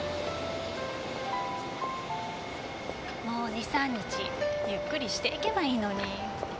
もう２３日ゆっくりしていけばいいのに。